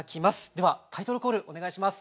ではタイトルコールお願いします。